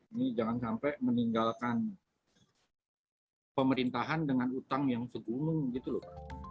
ini jangan sampai meninggalkan pemerintahan dengan utang yang segumung gitu loh pak